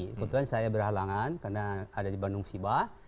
kebetulan saya berhalangan karena ada di bandung fiba